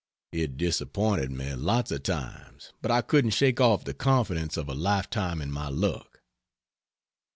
It disappointed me lots of times, but I couldn't shake off the confidence of a life time in my luck.